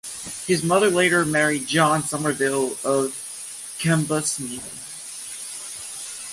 His mother later married John Somerville of Cambusnethan.